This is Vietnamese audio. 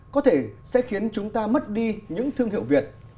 có thể sẽ khiến chúng ta mất đi những thương hiệu việt